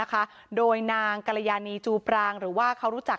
ก็เลยไว้มาที่อยุธยามาทำงาน